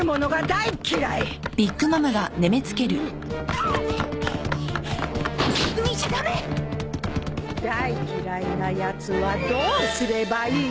大嫌いなやつはどうすればいい？